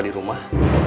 atau di rumah